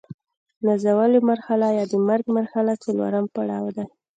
نزولي مرحله یا د مرګ مرحله څلورم پړاو دی.